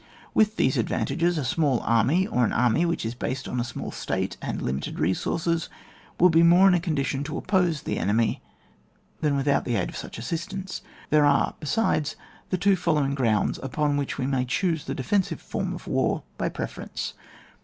With these advantages, a small army, or an army which is based on a small State and limited resources, will be more in a condition to oppose the enemy than with out the aid of such assistance. There are besides the two following grounds upon which we may choose the defensive form of war by preference.